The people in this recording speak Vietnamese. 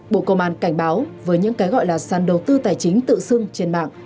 bộ công an cảnh báo với những cái gọi là sàn đầu tư tài chính tự xưng trên mạng